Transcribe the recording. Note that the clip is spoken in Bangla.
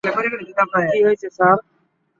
কি হয়েছে স্যার?